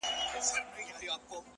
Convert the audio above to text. • ستا بچیان هم زموږ په څېر دي نازولي؟ ,